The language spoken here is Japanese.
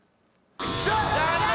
残念！